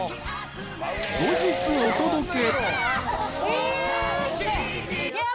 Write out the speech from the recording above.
［後日お届け］